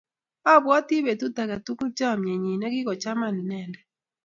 Abwoti betut age tugul chamnyenyi nikigochama inendet